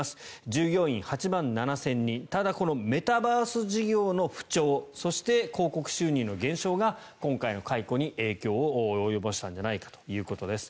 従業員８万７０００人ただ、このメタバース事業の不調そして、広告収入の減少が今回の解雇に影響を及ぼしたんじゃないかということです。